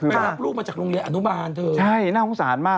พาลูกมาจากโรงเกียร์อนุมานเท่าไหร่ใช่น่าโฆษามาก